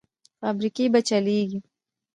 فابریکې به چلېږي؟